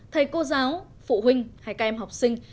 thầy cô giáo phụ huynh hay các em học sinh